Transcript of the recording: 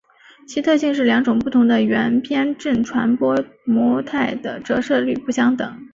其特性是两种不同的圆偏振传播模态的折射率不相等。